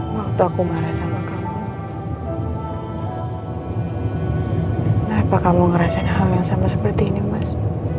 waktu aku marah sama kamu kenapa kamu ngerasain hal yang sama seperti ini mas